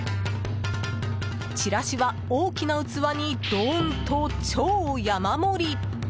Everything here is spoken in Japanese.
ちらしは大きな器にドーンと超山盛り！